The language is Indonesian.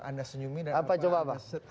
anda senyumin apa coba apa yang